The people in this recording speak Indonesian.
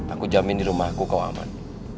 aku jamin di rumah aku kau aman